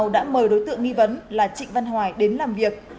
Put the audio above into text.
tp cm đã mời đối tượng nghi vấn là trịnh văn hoài đến làm việc